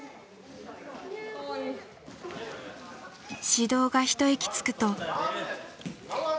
指導が一息つくと。